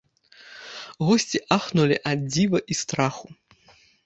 Госці ахнулі ад дзіва і страху.